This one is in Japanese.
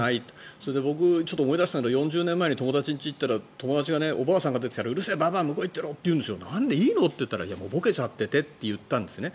それで僕、思い出したので４０年前に友達の家に行ったら友達がおばあさんが出てきたらうるせえ、ばばあ向こう行ってろって言ってなんでいいの？って言ったらもうぼけちゃっててって言ったんですね。